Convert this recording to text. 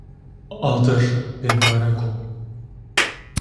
Adir bimbarek o